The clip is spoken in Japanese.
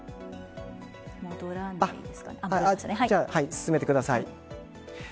進めてください。